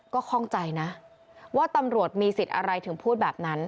ก็ข้องใจนะว่าตำรวจมีสิทธิ์อะไรถึงพูดแบบนั้น